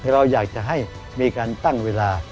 เราอยากจะให้มีการตั้งเวลา